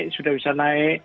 sudah bisa naik